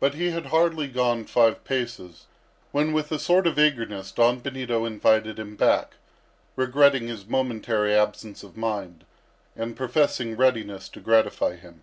But he had hardly gone five paces, when, with a sort of eagerness, Don Benito invited him back, regretting his momentary absence of mind, and professing readiness to gratify him.